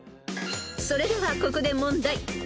［それではここで問題］